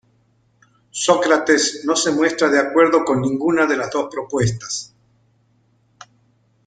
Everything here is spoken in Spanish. Sócrates no se muestra de acuerdo con ninguna de las dos propuestas.